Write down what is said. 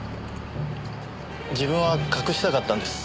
自分は隠したかったんです